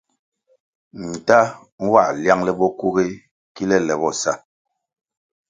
Ntah nwãh liang le bokuğéh kile le bo sa.